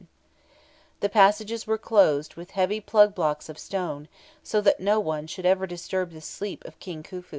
Then the passages were closed with heavy plug blocks of stone, so that no one should ever disturb the sleep of King Khufu.